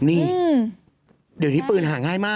นี่เดี๋ยวที่ปืนหาง่ายมาก